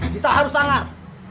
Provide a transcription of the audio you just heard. kita harus sanggar